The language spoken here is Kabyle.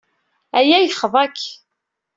Aya yexḍa-k.